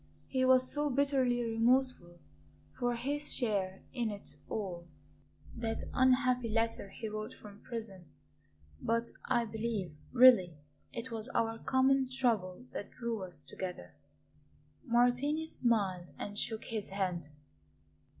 He was so bitterly remorseful for his share in it all that unhappy letter he wrote from prison. But I believe, really, it was our common trouble that drew us together." Martini smiled and shook his head.